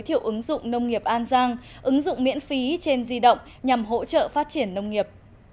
tổ chức hội thảo giới thiệu ứng dụng nông nghiệp an giang ứng dụng miễn phí trên di động nhằm hỗ trợ phát triển nông nghiệp